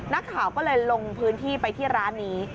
นักข่าวก็เลยลงพื้นที่ไปที่ร้านนี้